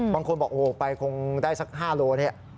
บางคนบอกโอ้โหไปคงได้สัก๕โลเนี่ย